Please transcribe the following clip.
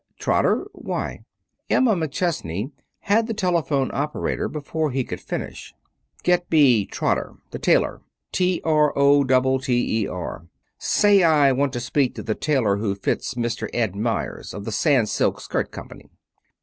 Trotter. Why?" Emma McChesney had the telephone operator before he could finish. "Get me Trotter, the tailor, T r o double t e r. Say I want to speak to the tailor who fits Mr. Ed Meyers, of the Sans Silk Skirt Company."